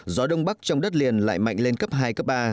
gió đông bắc trong đất liền lại mạnh lên cấp hai cấp ba